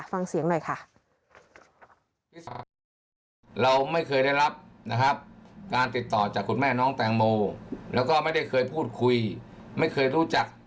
ฟังเสียงหน่อยค่ะ